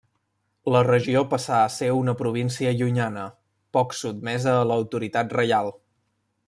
La regió passà a ser una província llunyana, poc sotmesa a l'autoritat reial.